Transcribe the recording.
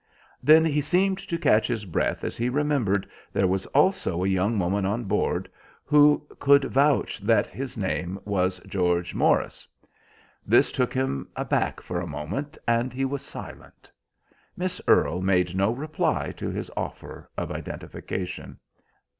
Then he seemed to catch his breath as he remembered there was also a young woman on board who could vouch that his name was George Morris This took him aback for a moment, and he was silent. Miss Earle made no reply to his offer of identification.